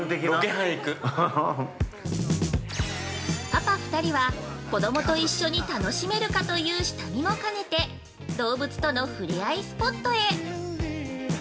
◆パパ２人は「子供と一緒に楽しめるのか」という下見もかねて動物とのふれあいスポットへ。